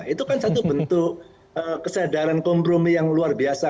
itu kan satu bentuk kesadaran kompromi yang luar biasa